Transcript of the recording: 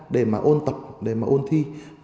để mà ôn tập để mà ôn thi